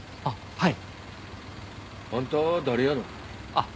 はい。